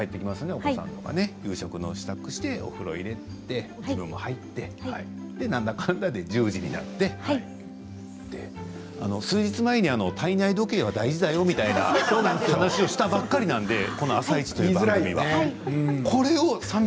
お子さんとか夕食の支度をしてお風呂に入れて自分も入って何だかんだで１０時になって数日前に体内時計は大事だよみたいな話をしたばかりなんでこの「あさイチ」という番組は。